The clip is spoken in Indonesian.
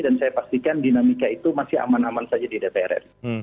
dan saya pastikan dinamika itu masih aman aman saja di dpr ri